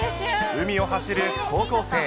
海を走る高校生。